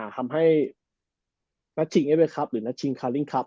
ทำให้นัดชิงเอเวยครับหรือนัดชิงคาลิ่งครับ